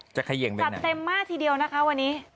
จัดเต็มมากทีเดียวนะคะวันนี้